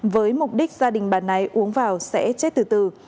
với mục đích gia đình bà này uống vào sẽ chết từ từ